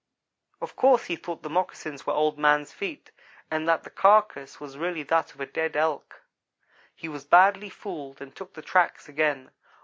Of course he thought the moccasins were on Old man's feet, and that the carcass was really that of a dead Elk. He was badly fooled and took the tracks again.